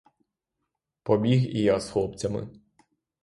Побіг і я з хлопцями.